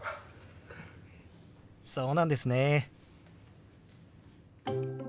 そうなんですね。